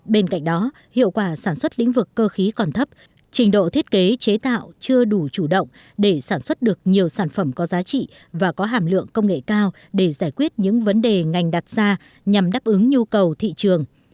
bên cạnh đó hiệu quả sản xuất lĩnh vực cơ khí còn thấp trình độ thiết kế chế tạo chưa đủ chủ động để sản xuất được nhiều sản phẩm có giá trị và có hàm lượng công nghệ cao để giải quyết những vấn đề ngành đặt ra nhằm đáp ứng nhu cầu thị trường